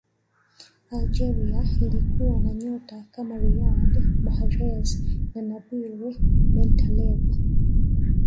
algeria ilikuwa na nyota kama riyad mahrez na nabil bentaleb